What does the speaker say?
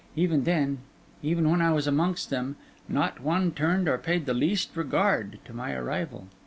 Even then, even when I was amongst them, not one turned or paid the least regard to my arrival.